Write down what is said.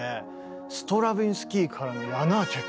ストラヴィンスキーからのヤナーチェク。